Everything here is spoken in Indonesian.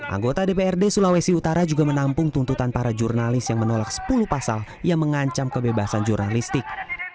anggota dprd sulawesi utara juga menampung tuntutan para jurnalis yang menolak sepuluh pasal yang mengancam kebebasan jurnalistik